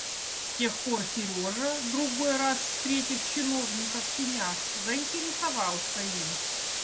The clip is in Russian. С тех пор Сережа, другой раз встретив чиновника в сенях, заинтересовался им.